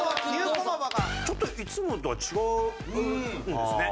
ちょっといつもとは違うんですね。